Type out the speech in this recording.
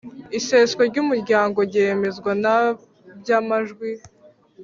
Iseswa ry umuryango ryemezwa na by amajwi